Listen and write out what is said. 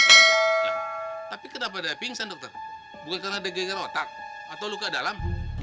nah tapi kenapa dia pingsan dokter bukan karena deg degan otak atau luka dalam